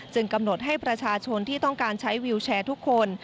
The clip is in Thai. กำหนดให้ประชาชนที่ต้องการใช้วิวแชร์ทุกคน